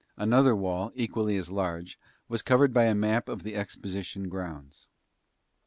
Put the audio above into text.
Another wall, equally as large, was covered by a map of the exposition grounds.